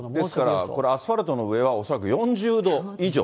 ですからこれ、アスファルトの上は恐らく５０度以上。